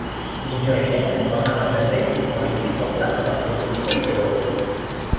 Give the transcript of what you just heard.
L'infiorescenza è formata da densi corimbi portati da peduncoli pelosi.